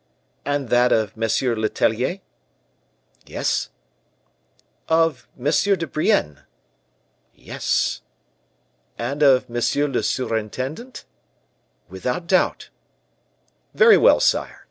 "And that of M. Letellier?" "Yes." "Of M. de Brienne?" "Yes." "And of monsieur le surintendant?" "Without doubt." "Very well, sire.